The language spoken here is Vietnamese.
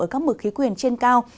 ở các mực khí quyển trên cao